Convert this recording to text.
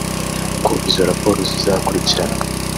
ko izo raporo zizakurikiranwa